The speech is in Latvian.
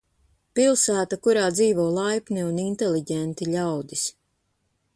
Pilsēta, kurā dzīvo laipni un inteliģenti ļaudis.